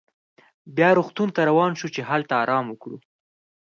بیا روغتون ته روان شوو چې هلته ارام وکړو.